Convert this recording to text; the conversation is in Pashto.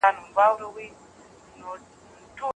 دا یو ویاړلی کار او زیار دی.